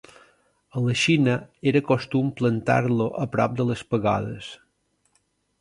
A la Xina era costum plantar-lo a prop de les pagodes.